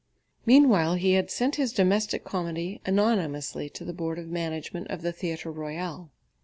Meanwhile he had sent his domestic comedy anonymously to the board of management of the Theatre Royal.